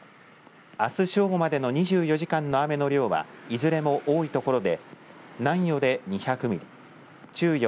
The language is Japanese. あす正午までの２４時間の雨の量はいずれも多い所で南予で２００ミリ、中予、